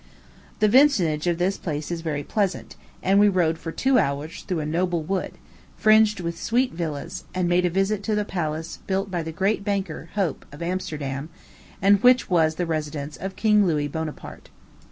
The vicinage of this place is very pleasant; and we rode for two hours through a noble wood, fringed with sweet villas, and made a visit to a palace built by the great banker, Hope, of Amsterdam, and which was the residence of King Louis Bonaparte.